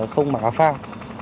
không mặc áo phao